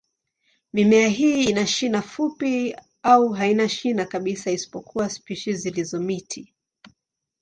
Mimea hii ina shina fupi au haina shina kabisa, isipokuwa spishi zilizo miti.